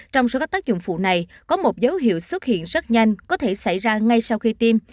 trong số các tác dụng phụ này có một dấu hiệu xuất hiện rất nhanh có thể xảy ra ngay sau khi tiêm